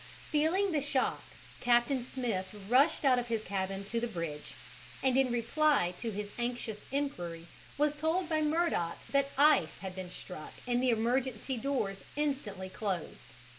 Feeling the shock, Captain Smith rushed out of his cabin to the bridge, and in reply to his anxious enquiry was told by Murdock that ice had been struck and the emergency doors instantly closed.